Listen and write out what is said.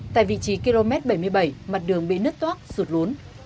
tại vị trí km bảy mươi bảy mặt đường bị nứt toác sụt lún